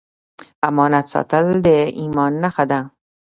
امانت ساتل د ایمان نښه ده